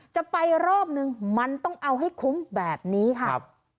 จะไปรอบนึงมันต้องเอาให้คุ้มแบบนี้ค่ะ